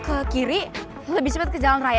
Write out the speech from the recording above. ke kiri lebih cepat ke jalan raya